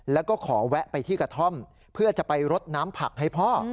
แล้วก็ขอแวะไปที่กระท่อมเพื่อจะไปรดน้ำผักให้พ่อ